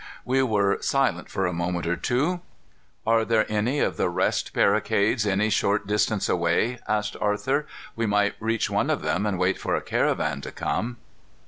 We were, silent for a moment or two. "Are there any of the rest barricades any short distance away?" asked Arthur. "We might reach one of them and wait for a caravan to come."